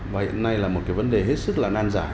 và hiện nay là một cái vấn đề hết sức là nan giải